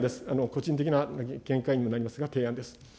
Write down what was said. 個人的見解にもなりますが、提案です。